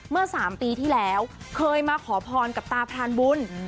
เมื่อ๓ปีที่แล้วเคยมาขอพรกับตาพรานบุญ